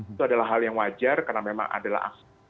itu adalah hal yang wajar karena memang adalah aspek